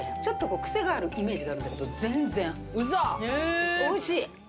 クセがあるイメージがあるんだけど、全然おいしい！